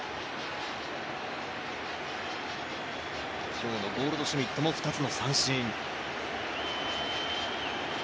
今日のゴールドシュミットも２つの三振。